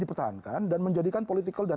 dipertahankan dan menjadikan political dan